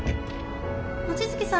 望月さん